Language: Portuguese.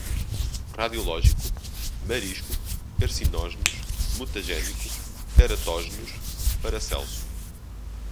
radiológico, marisco, carcinógenos, mutagênicos, teratógenos, Paracelso